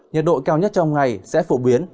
nhiệt độ cao nhất trong ngày sẽ phổ biến